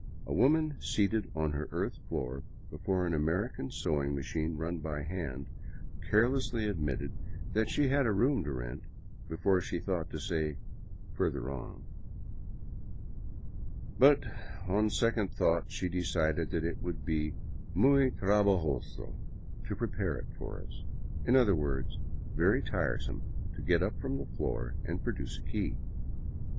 A woman seated on her earth floor before an American sewing machine run by hand carelessly admitted that she had a room to rent before she thought to say " further on." But on second thoughts she decided that it would be '' muy trabajoso " to pre pare it for us — in other words, very tiresome to get up from the floor and produce a key.